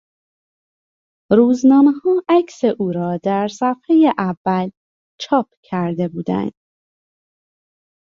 روزنامهها عکس او را در صفحهی اول چاپ کرده بودند.